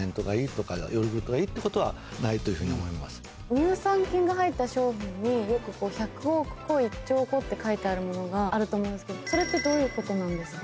乳酸菌が入った商品によく１００億個１兆個って書いてあるものがあると思うんですけどそれってどういうことなんですか？